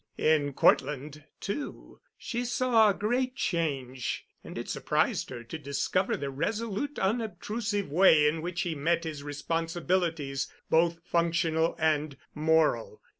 In Cortland, too, she saw a great change, and it surprised her to discover the resolute, unobtrusive way in which he met his responsibilities, both functional and moral.